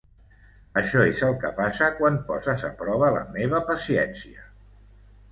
Això és el que passa quan poses a prova la meva paciència.